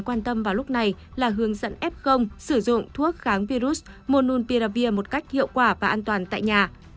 quan tâm vào lúc này là hướng dẫn f sử dụng thuốc kháng virus monun piravir một cách hiệu quả và an toàn tại nhà